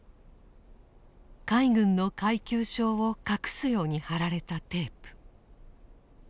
海軍の階級章を隠すように貼られたテープ。